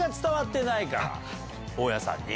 大家さんに。